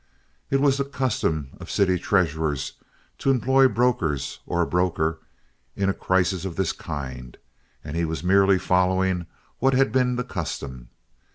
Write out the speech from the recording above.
It was the custom of city treasurers to employ brokers, or a broker, in a crisis of this kind, and he was merely following what had been the custom.